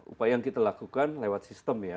upaya yang kita lakukan lewat sistem ya